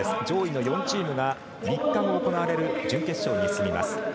上位の４チームが３日後行われる準決勝に進みます。